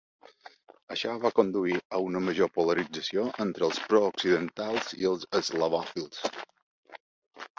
Això va conduir a una major polarització entre els pro occidentals i els eslavòfils.